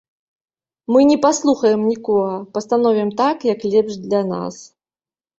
Мы не паслухаем нікога, пастановім так, як лепш для нас.